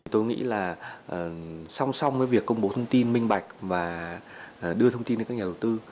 tôi nghĩ là song song với việc công bố thông tin minh bạch và đưa thông tin đến các nhà đầu tư